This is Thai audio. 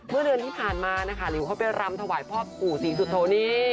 เมื่อเดือนที่ผ่านมานะคะหลิวเขาไปรำถวายพ่อปู่ศรีสุโธนี่